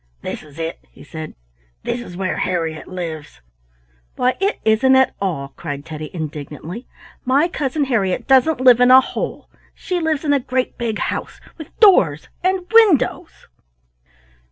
"This is it," he said; "this is where Harriett lives." "Why, it isn't at all!" cried Teddy, indignantly. "My cousin Harriett doesn't live in a hole! She lives in a great big house with doors and windows."